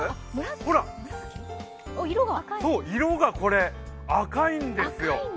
ほら、色が赤いんですよ。